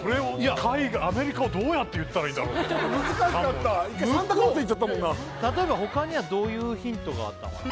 海外アメリカをどうやって言ったらいいんだろう？と難しかった一回「サンタクロース」いっちゃったもんな例えば他にはどういうヒントがあったのかな？